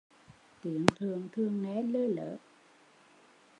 Tiếng Thượng thường nghe lơ lớ